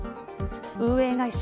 運営会社